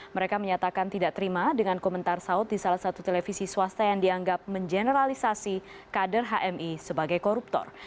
mereka menyatakan tidak terima dengan komentar saud di salah satu televisi swasta yang dianggap mengeneralisasi kader hmi sebagai koruptor